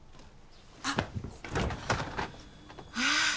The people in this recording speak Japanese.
あっああ